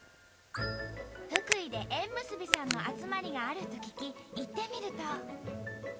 福井で縁結びさんの集まりがあると聞き行ってみると。